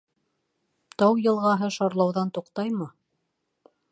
— Тау йылғаһы шарлауҙан туҡтаймы?